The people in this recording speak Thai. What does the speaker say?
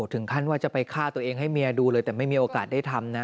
ถึงขั้นว่าจะไปฆ่าตัวเองให้เมียดูเลยแต่ไม่มีโอกาสได้ทำนะ